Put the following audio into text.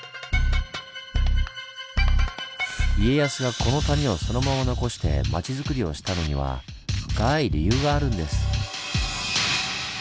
家康がこの谷をそのまま残して町づくりをしたのには深い理由があるんです。